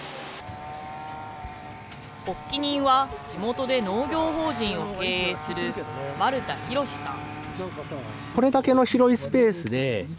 発起人は、地元で農業法人を経営する丸田洋さん。